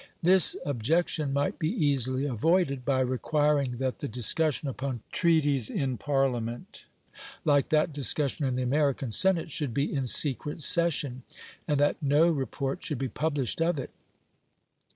This objection might be easily avoided by requiring that the discussion upon treaties in Parliament like that discussion in the American Senate should be "in secret session," and that no report should be published of it.